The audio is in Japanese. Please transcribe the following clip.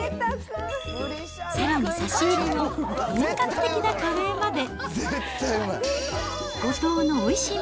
さらに、差し入れの本格的なカレーまで。